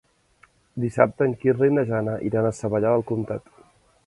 Dissabte en Quirze i na Jana iran a Savallà del Comtat.